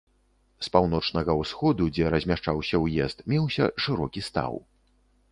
З паўночнага-ўсходу, дзе размяшчаўся ўезд, меўся шырокі стаў.